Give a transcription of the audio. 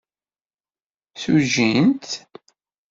Ssujjin-t.